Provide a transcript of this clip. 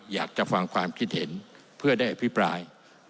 อยากจะฟังความคิดเห็นเพื่อได้อภิปราย